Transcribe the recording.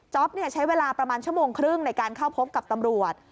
ใช้เวลาประมาณชั่วโมงครึ่งในการเข้าพบกับตำรวจ